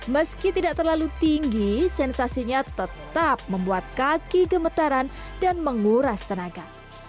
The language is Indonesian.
meski tidak terlalu tinggi sensasinya tetap membuat kaki gemetaran dan menguras tenaga